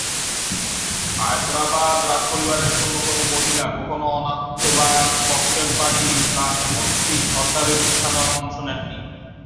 হায়দরাবাদ রাজপরিবারের অন্য কোনও মহিলা কখনও অনাবৃত বা ককটেল পার্টি বা এমনকি সরকারী অনুষ্ঠানেও অংশ নেন নি।